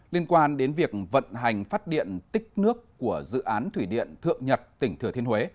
liên quan đến việc vận hành phát điện tích nước của dự án thủy điện thượng nhật tỉnh thừa thiên huế